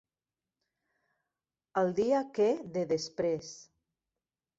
El dia que de després.